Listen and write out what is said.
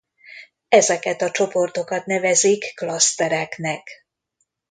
Ezeket a csoportokat nevezik klasztereknek.